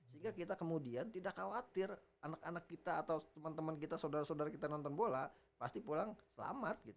sehingga kita kemudian tidak khawatir anak anak kita atau teman teman kita saudara saudara kita nonton bola pasti pulang selamat